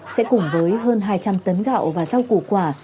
sẽ cùng với hơn hai trăm linh tấn gạo và rau củ quả